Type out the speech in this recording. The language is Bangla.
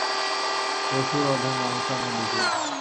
পশুর অধম মানুষও আমি দেখিয়াছি।